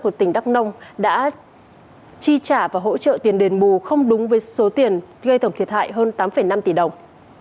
ở đắk nông đã chi trả và hỗ trợ tiền đền bù không đúng với số tiền gây thổng thiệt hại hơn tám năm tỷ đồng